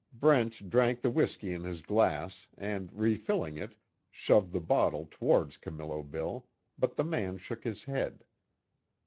Brent drank the whiskey in his glass and refilling it, shoved the bottle toward Camillo Bill, but the man shook his head.